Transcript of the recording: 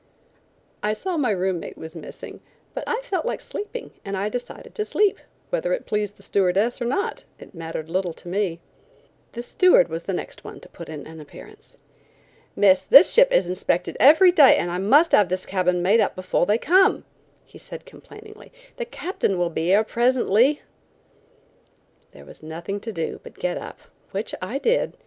I saw my room mate was missing, but I felt like sleeping and I decided to sleep; whether it pleased the stewardess or not, it mattered little to me. The steward was the next one to put in an appearance. "Miss, this ship is inspected every day and I must have this cabin made up before they come," he said complainingly. "The captain will be here presently." There was nothing to do but to get up, which I did.